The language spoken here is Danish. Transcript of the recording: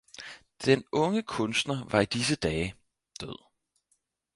Den unge kunstner var i disse dage - død